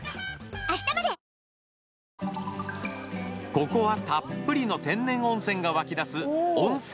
ここはたっぷりの天然温泉が湧き出す。